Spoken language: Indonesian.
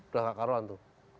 dua kakaruan itu